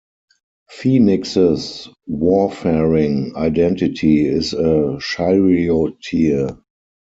Phoenix's warfaring identity is a charioteer.